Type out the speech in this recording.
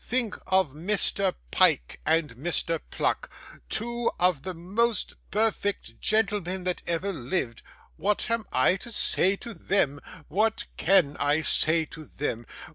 'Think of Mr. Pyke and Mr Pluck, two of the most perfect gentlemen that ever lived, what am I too say to them what can I say to them?